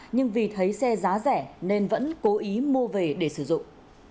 nhưng vì thấy xe giá rẻ nên vẫn cố ý mua về để sử dụng